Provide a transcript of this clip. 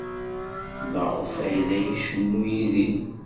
Maɣef ay la icennu Yidir?